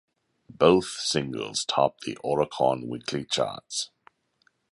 Both singles topped the Oricon weekly charts.